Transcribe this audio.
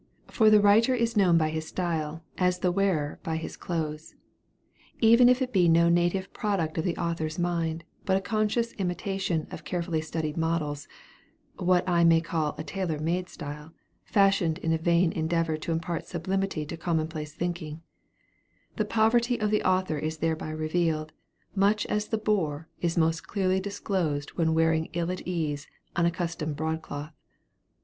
For the writer is known by his style as the wearer by his clothes. Even if it be no native product of the author's mind, but a conscious imitation of carefully studied models, what I may call a tailor made style, fashioned in a vain endeavor to impart sublimity to commonplace thinking, the poverty of the author is thereby revealed, much as the boor is most clearly disclosed when wearing ill at ease, unaccustomed broadcloth.